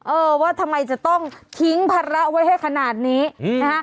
เออว่าทำไมจะต้องทิ้งภาระไว้ให้ขนาดนี้นะฮะ